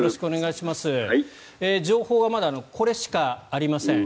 情報はまだこれしかありません。